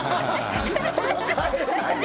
それは変えれないよ！